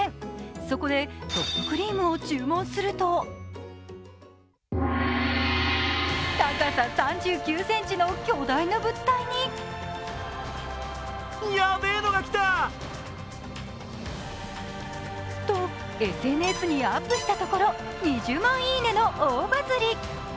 そこでソフトクリームを注文すると高さ３９ｃｍの巨大な物体にとＳＮＳにアップしたところ２０万いいねの大バズり。